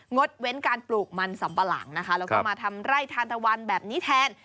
ดเว้นการปลูกมันสำปะหลังนะคะแล้วก็มาทำไร่ทานตะวันแบบนี้แทน